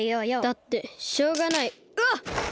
だってしょうがないうわっ！